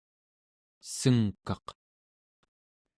senkaq